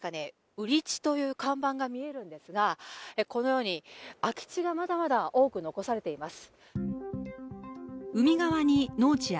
「売地」という看板が見えるんですが、このように空き地がまだまだ多く残されています。